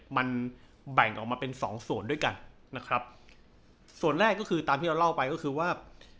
มันแบ่งออกมาเป็นสองส่วนด้วยกันนะครับส่วนแรกก็คือตามที่เราเล่าไปก็คือว่า